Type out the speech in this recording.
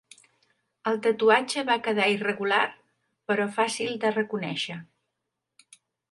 El tatuatge va quedar irregular, però fàcil de reconèixer.